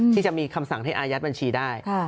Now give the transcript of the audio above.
ที่จะมีคำสั่งให้อายัดบัญชีได้